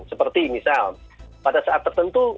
seperti misal pada saat tertentu